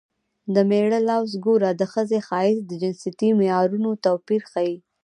د مېړه لوز ګوره د ښځې ښایست د جنسیتي معیارونو توپیر ښيي